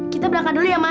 kita berangkat dulu ya ma